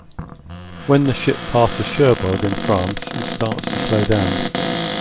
When the ship passes Cherbourg in France it starts to slow down.